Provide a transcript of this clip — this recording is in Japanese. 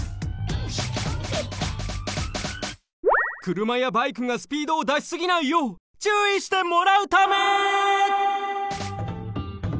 くるまやバイクがスピードをだしすぎないよう注意してもらうため！